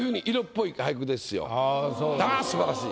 ああ素晴らしい。